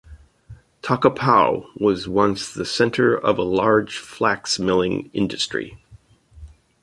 Takapau was once the centre of a large flax milling industry.